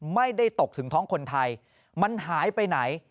ไม่ได้ตกถึงท้องคนไทยมันหายไปไหน